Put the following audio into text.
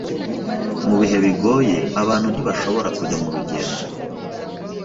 Mu bihe bigoye, abantu ntibashobora kujya murugendo,